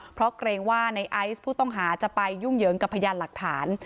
เพราะเกรงว่าในไอซ์ผู้ต้องหาจะไปยุ่งเหยิงกับพยานหลักฐาน